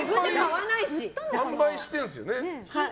販売してるんですよね。